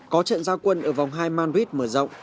có trận gia quân ở vòng hai madrid mở rộng